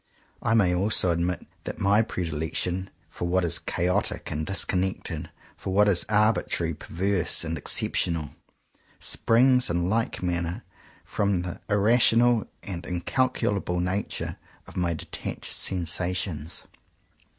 I may also admit that my predilection for what is chaotic and dis connected, for what is arbitrary, perverse, and exceptional, springs in like manner from the irrational and incalculable nature of my detached sensations.